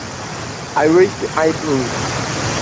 I raised the eyebrows.